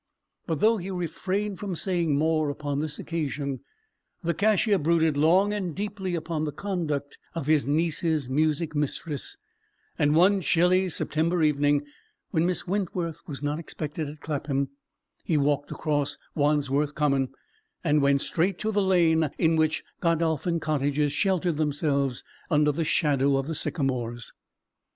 But though he refrained from saying more upon this occasion, the cashier brooded long and deeply upon the conduct of his niece's music mistress: and one chilly September evening, when Miss Wentworth was not expected at Clapham, he walked across Wandsworth Common, and went straight to the lane in which Godolphin Cottages sheltered themselves under the shadow of the sycamores.